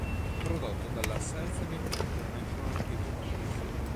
Prodotto dalla Selznick International Pictures.